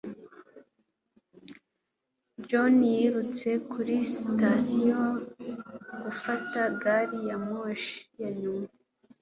John yirutse kuri sitasiyo gufata gari ya moshi ya nyuma.